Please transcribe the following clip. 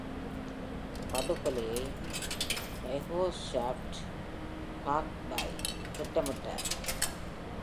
படுகொலையை Yehoshafat Harkabi திட்டமிட்டார்.